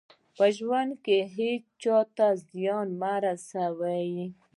په ژوند کې هېڅ چا ته زیان مه رسوئ.